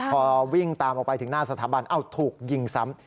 พอวิ่งตามออกไปถึงหน้าสถาบันเอ้าถูกยิงซ้ำ